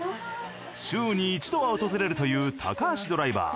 週に一度は訪れるという高橋ドライバー。